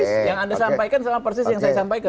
yang anda sampaikan sama persis yang saya sampaikan